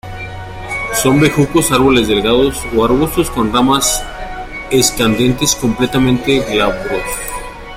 Son bejucos, árboles delgados o arbustos con ramas escandentes, completamente glabros.